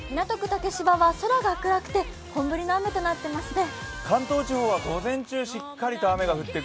竹芝は空が暗くて本降りの雨となっていますね。